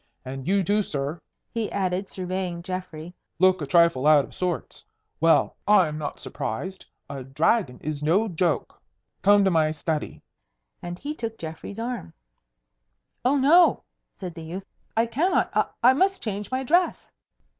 And you too, sir," he added, surveying Geoffrey, "look a trifle out of sorts. Well, I am not surprised. A dragon is no joke. Come to my study." And he took Geoffrey's arm. "Oh, no!" said the youth. "I cannot. I I must change my dress."